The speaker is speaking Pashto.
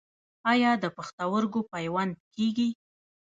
آیا د پښتورګو پیوند کیږي؟